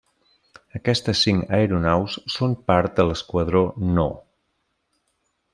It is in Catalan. Aquestes cinc aeronaus són part de l'Esquadró No.